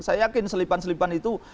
saya yakin selipan selipan itu